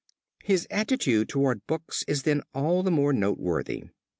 His attitude toward books is then all the more noteworthy.